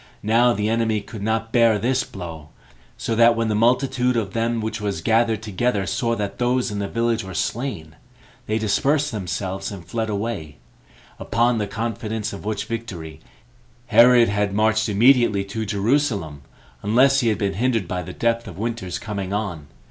Now the enemy could not bear this blow, so that when the multitude of them which was gathered together saw that those in the village were slain, they dispersed themselves, and fled away; upon the confidence of which victory, Herod had marched immediately to Jerusalem, unless he tad been hindered by the depth of winter's [coming on].